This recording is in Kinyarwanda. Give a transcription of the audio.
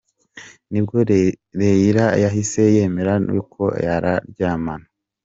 Nibwo Leyla yahise yemera nuko bararyamana.